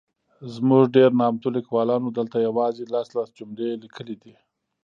زموږ ډېر نامتو لیکوالانو دلته یوازي لس ،لس جملې لیکلي دي.